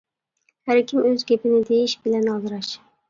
ھەركىم ئۆز گېپىنى دېيىش بىلەن ئالدىراش.